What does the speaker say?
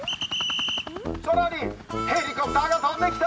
そらにヘリコプターがとんできた！